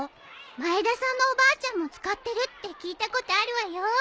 前田さんのおばあちゃんも使ってるって聞いたことあるわよ。